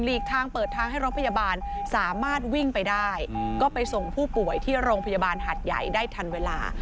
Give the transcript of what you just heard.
กทางเปิดทางให้รถพยาบาลสามารถวิ่งไปได้ก็ไปส่งผู้ป่วยที่โรงพยาบาลหัดใหญ่ได้ทันเวลา